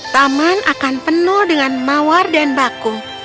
taman akan penuh dengan mawar dan baku dan juga segala jenis burung